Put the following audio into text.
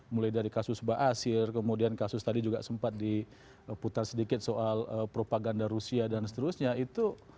mulai dari kasus baasir kemudian kasus tadi juga sempat diputar sedikit soal propaganda rusia dan seterusnya itu